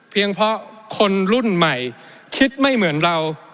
เพราะคนรุ่นใหม่คิดไม่เหมือนเรา